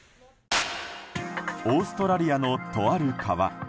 オーストラリアのとある川。